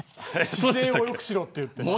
姿勢をよくしろって言ってな。